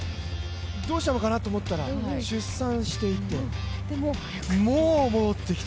どうしたのかなと思ったら出産していて、もう戻ってきた。